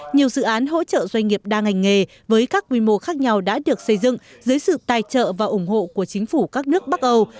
nhiều dự án hỗ trợ doanh nghiệp đa ngành nghề với các quy mô khác nhau đã được xây dựng dưới sự tài trợ và ủng hộ của chính phủ các nước bắc âu